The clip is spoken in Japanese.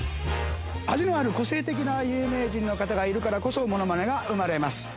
味のある個性的な有名人の方がいるからこそものまねが生まれます。